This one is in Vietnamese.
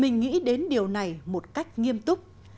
mình nghĩ đến điều này một cách nghiêm túc